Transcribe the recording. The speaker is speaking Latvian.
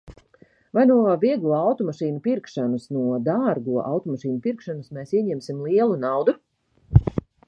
Vai no vieglo automašīnu pirkšanas, no dārgo automašīnu pirkšanas mēs ieņemsim lielu naudu?